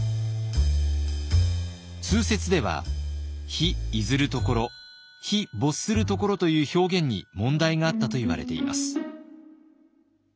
通説では「日出ずる処」「日没する処」という表現に問題があったといわれています。